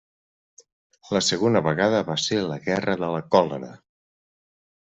La segona vegada va ser la Guerra de la Còlera.